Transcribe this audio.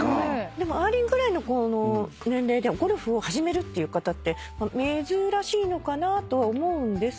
あーりんぐらいの年齢でゴルフを始めるっていう方って珍しいのかなとは思うんですけど。